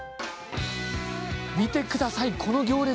見てください、この行列。